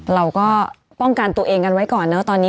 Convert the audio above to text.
เราก็ป้องกันตัวเองกันไว้ก่อนนะตอนนี้